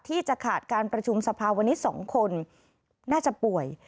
ที่จะขาดการประชุมสภาวันนี้๒คนน่าจะป่วย